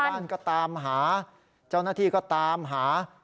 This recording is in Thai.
บ้านก็ตามหาเจ้าหน้าที่ก็ตามหา